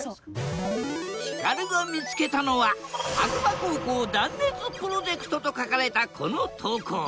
ヒカルが見つけたのは白馬高校断熱プロジェクトと書かれたこの投稿。